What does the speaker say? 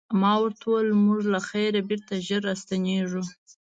ما ورته وویل موږ له خیره بېرته ژر راستنیږو.